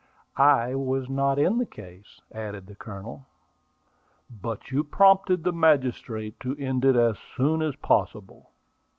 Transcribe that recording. "I was not in the case," added the Colonel. "But you prompted the magistrate to end it as soon as possible."